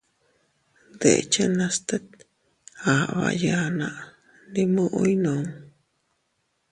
Deʼechanas tet aʼaba yanna, ndi muʼu ekku.